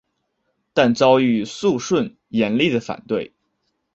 但遭遇肃顺严厉的反对。